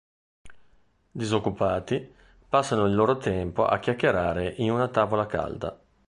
Disoccupati, passano il loro tempo a chiacchierare in una tavola calda.